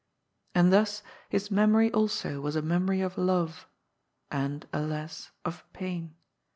And thus his memory also was a memory of love — and, alas, of pain.